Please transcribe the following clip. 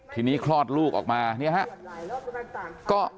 ทีนี้คลอดลูกออกมา